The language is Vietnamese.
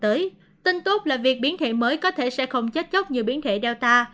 tuy nhiên tin tốt là việc biến thể mới có thể sẽ không chết chóc như biến thể delta